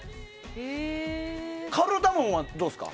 カルダモンはどうですか？